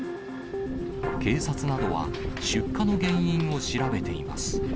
警察などは、出火の原因を調べています。